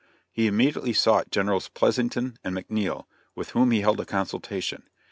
He immediately sought Generals Pleasanton and McNiel, with whom he held a consultation.